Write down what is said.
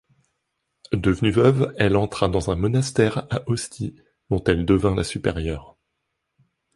Devenue veuve, elle entra dans un monastère à Ostie dont elle devint la supérieure.